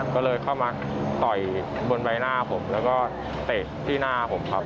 ก็เลยเข้ามาต่อยบนใบหน้าผมแล้วก็เตะที่หน้าผมครับ